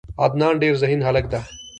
عدنان ډیر ذهین هلک ده.